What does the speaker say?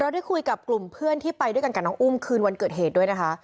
ได้คุยกับกลุ่มเพื่อนที่ไปด้วยกันกับน้องอุ้มคืนวันเกิดเหตุด้วยนะคะ